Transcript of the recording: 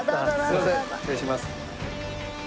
すいません失礼します。